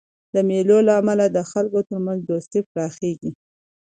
د مېلو له امله د خلکو ترمنځ دوستي پراخېږي.